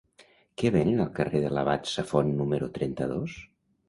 Què venen al carrer de l'Abat Safont número trenta-dos?